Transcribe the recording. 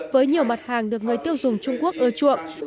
với nhiều mặt hàng được người tiêu dùng trung quốc ưa chuộng